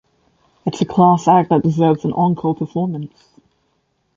It's a class act that deserves an encore performance.